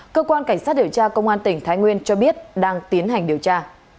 cơ quan cảnh sát điều tra công an tỉnh thái nguyên cho biết đang tiến hành điều tra